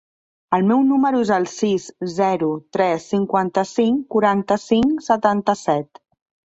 El meu número es el sis, zero, tres, cinquanta-cinc, quaranta-cinc, setanta-set.